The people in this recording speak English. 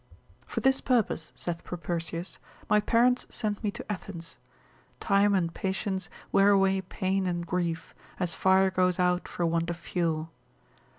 For this purpose, saith Propertius, my parents sent me to Athens; time and patience wear away pain and grief, as fire goes out for want of fuel.